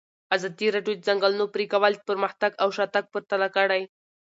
ازادي راډیو د د ځنګلونو پرېکول پرمختګ او شاتګ پرتله کړی.